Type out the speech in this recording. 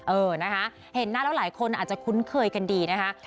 เออนะคะเห็นหน้าแล้วหลายคนอาจจะคุ้นเคยกันดีนะคะ